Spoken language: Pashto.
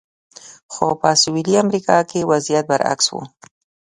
خو په سویلي امریکا کې وضعیت برعکس و.